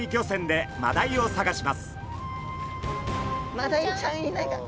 マダイちゃんいないかな？